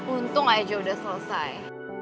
untung aja udah selesai